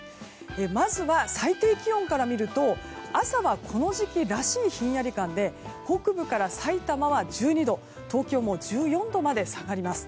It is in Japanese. まずは最低気温から見ると朝はこの時期らしいひんやり感で北部からさいたまは１２度東京も１４度まで下がります。